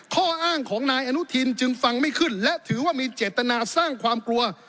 ข้ออ้างของนายอนุทินจึงฟังไม่ขึ้นและถือว่ามีเจตนาสร้างความกลัว